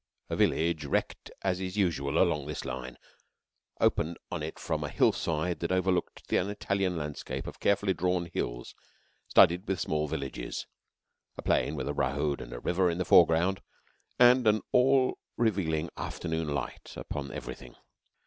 A village, wrecked as is usual along this line, opened on it from a hillside that overlooked an Italian landscape of carefully drawn hills studded with small villages a plain with a road and a river in the foreground, and an all revealing afternoon light upon everything.